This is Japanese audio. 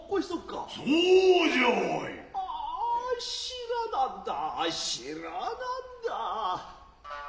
アア知らなんだ知らなんだ。